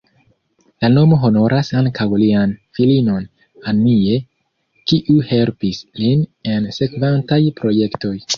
La nomo honoras ankaŭ lian filinon "Annie", kiu helpis lin en sekvantaj projektoj.